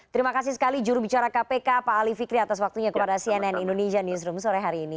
terima kasih sekali jurubicara kpk pak ali fikri atas waktunya kepada cnn indonesia newsroom sore hari ini